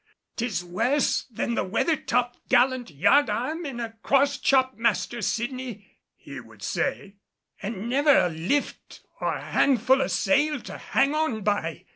"'Tis worse than the weather top gallant yardarm in a cross chop, Master Sydney," he would say, "an' never a lift or handful o' sail to hang on by.